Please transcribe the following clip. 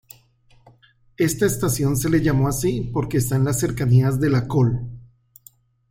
Esta estación se le llamo así porque está en las cercanías de la Col.